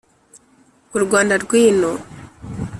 U Rwanda rwino